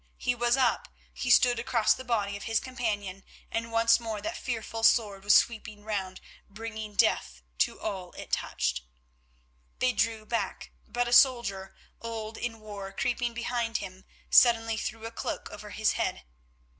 He was up, he stood across the body of his companion, and once more that fearful sword was sweeping round, bringing death to all it touched. They drew back, but a soldier, old in war, creeping behind him suddenly threw a cloak over his head.